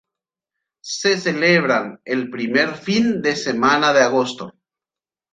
Se celebran el primer fin de semana de agosto.